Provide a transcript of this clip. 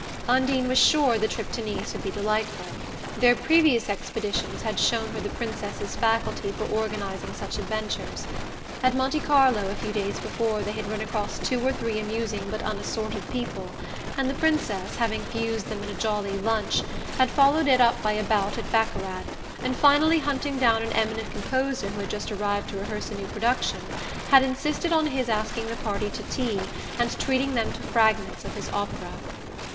Undine was sure the trip to Nice would be delightful. Their previous expeditions had shown her the Princess's faculty for organizing such adventures. At Monte Carlo, a few days before, they had run across two or three amusing but unassorted people, and the Princess, having fused them in a jolly lunch, had followed it up by a bout at baccarat, and, finally hunting down an eminent composer who had just arrived to rehearse a new production, had insisted on his asking the party to tea, and treating them to fragments of his opera.